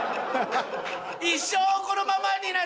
一生このままになる。